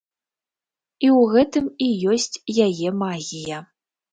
І ў гэтым і ёсць яе магія.